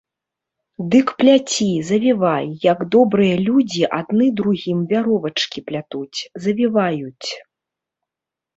Дык пляці, завівай, як добрыя людзі адны другім вяровачкі плятуць, завіваюць!